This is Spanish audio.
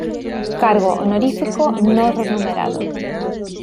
Cargo honorífico no remunerado.